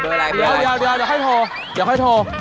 เดี๋ยวเดี๋ยวให้โทร